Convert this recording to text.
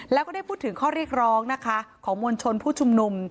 แล้วก็ได้พูดถึงข้อเรียกร้องนะคะของมวลชนผู้ชุมนุม